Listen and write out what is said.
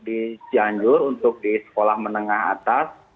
di cianjur untuk di sekolah menengah atas